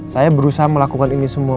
saya berusaha melakukan ini semua